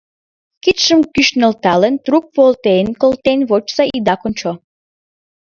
Кидшым кӱш нӧлталын, трук волтен колтен: вочса, ида кончо!